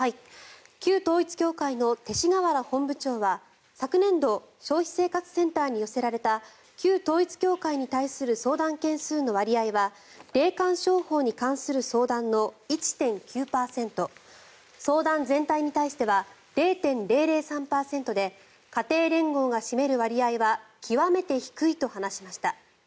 旧統一教会の勅使河原本部長は昨年度消費生活センターに寄せられた旧統一教会に対する相談件数の割合は霊感商法に関する相談の１．９％相談全体に対しては０．００３％で家庭連合が占める割合は極めて低いと話しました。